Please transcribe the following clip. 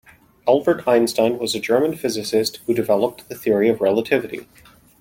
Albert Einstein was a German physicist who developed the Theory of Relativity.